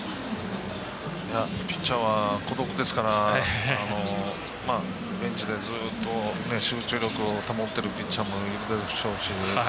ピッチャーは孤独ですからベンチでずっと集中力を保っているピッチャーもいるでしょうし。